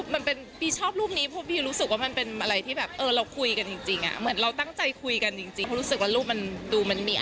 ไม่ลงรูปนั้นล่ะค่ะบางคนก็จะแบบลงรูปคู่อะไรอย่างนี้